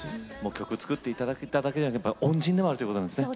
曲を作って頂いただけじゃなくて恩人でもあるということですね。